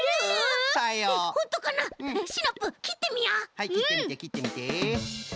はいきってみてきってみて。